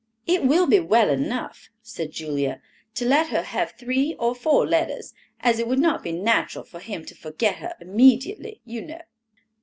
"It will be well enough," said Julia, "to let her have three or four letters, as it would not be natural for him to forget her immediately, you know."